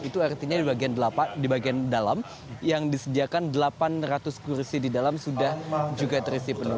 itu artinya di bagian dalam yang disediakan delapan ratus kursi di dalam sudah juga terisi penuh